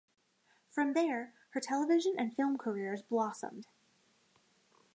From there, her television and film careers blossomed.